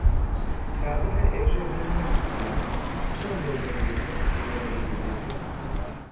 خازە هەر ئێژێ برنج نەکوتریاگە، چۆن بەو دەمودەستە کوتریا و لێ نریا؟